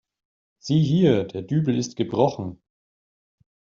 Sieh hier, der Dübel ist gebrochen.